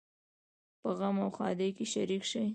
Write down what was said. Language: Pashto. په غم او ښادۍ کې شریک شئ